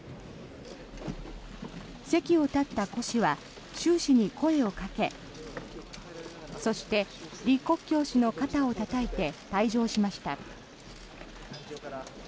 席を立った胡氏は習氏に声をかけそして李克強氏の肩をたたいて退場しました。